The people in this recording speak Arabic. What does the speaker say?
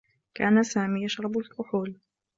كان سامي يشرب الكحول.